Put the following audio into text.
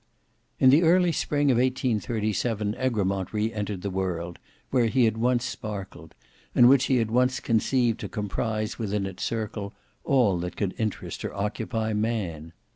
In the early spring of 1837, Egremont re entered the world, where he had once sparkled, and which he had once conceived to comprise within its circle all that could interest or occupy man.